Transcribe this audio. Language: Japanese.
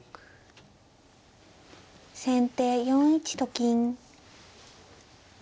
先手４一と金。